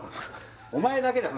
お前だけだよ